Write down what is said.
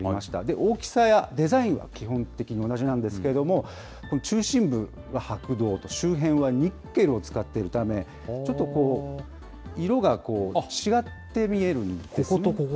大きさやデザインは基本的に同じなんですけれども、中心部が白銅と、周辺はニッケルを使っているため、ちょっとこう、色が違って見えるんですね。